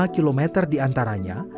satu ratus lima km di antaranya